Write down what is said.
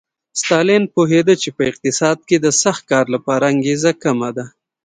ستالین پوهېده چې په اقتصاد کې د سخت کار لپاره انګېزه کمه ده